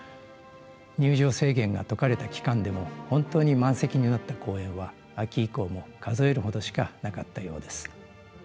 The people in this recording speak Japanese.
入場制限が解かれた期間でも本当に満席になった公演は秋以降も数えるほどしかなかったようです。